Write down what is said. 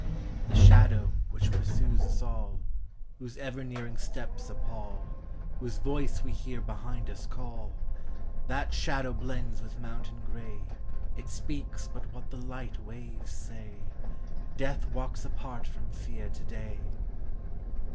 The Shadow which pursues us all, Whose ever nearing steps appall, Whose voice we hear behind us call,—That Shadow blends with mountain gray, It speaks but what the light waves say,—Death walks apart from Fear to day!